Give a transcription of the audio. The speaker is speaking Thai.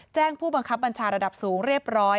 ผู้บังคับบัญชาระดับสูงเรียบร้อย